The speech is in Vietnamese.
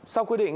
sau quy định